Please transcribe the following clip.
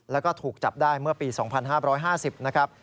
แล้วก็ถูกจับได้เมื่อปี๒๕๕๐นะครับ